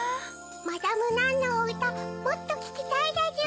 マダム・ナンのおうたもっとききたいでちゅ！